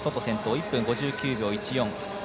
１分５９秒１４。